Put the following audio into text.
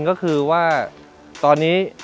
ก็คือว่าตอนนี้